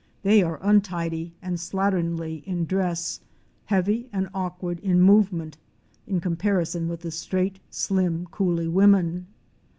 They are untidy and slatternly in dress, heavy and awkward in move ment in comparison with the straight, slim, coolie women.